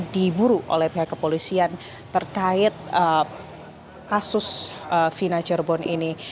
diburu oleh pihak kepolisian terkait kasus fina cirebon ini